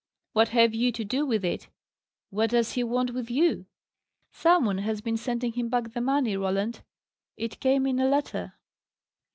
What have you to do with it? What does he want with you?" "Some one has been sending him back the money, Roland. It came in a letter."